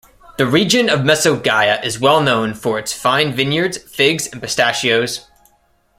The region of Mesogaia is well-known for its fine vineyards, figs, and pistachios.